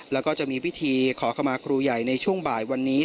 แล้วก็จะมีพิธีขอขมาครูใหญ่ในช่วงบ่ายวันนี้